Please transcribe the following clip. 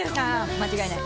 間違いない。